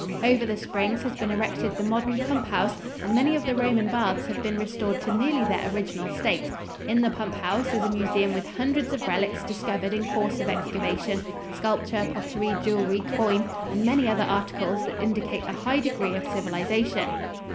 Over the springs has been erected the modern pump house and many of the Roman baths have been restored to nearly their original state. In the pump house is a museum with hundreds of relics discovered in course of excavation sculpture, pottery, jewelry, coin and many other articles that indicate a high degree of civilization.